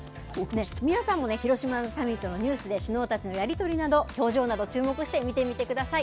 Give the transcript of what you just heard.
皆さんも広島サミットのニュースで首脳たちのやり取りなど、表情など、注目して見てみてください。